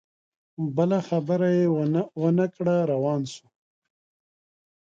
بله خبره یې ونه کړه روان سو